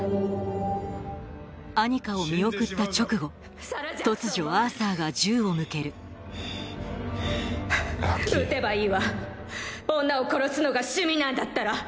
アニカを見送った直後突如アーサーが銃を向ける撃てばいいわ女を殺すのが趣味なんだったら。